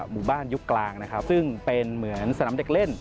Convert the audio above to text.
ยุคกลางนะครับซึ่งเป็นเหมือนสนามเด็กเล่น